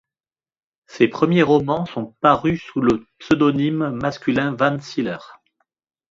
Ses premiers romans sont parus sous le pseudonyme masculin Van Siller.